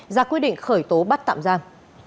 ra quyết định khởi tố bắt tạm giam